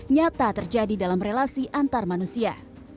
nyata terjadi dalam relasi antar manusia